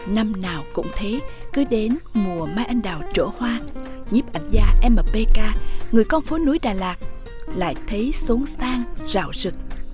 năm nào cũng thế cứ đến mùa mai anh đào trổ hoa nhíp ảnh gia mpk người con phố núi đà lạt lại thấy xốn xang rạo rực